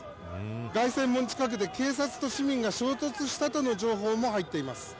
凱旋門近くで警察と市民が衝突したとの情報も入っています。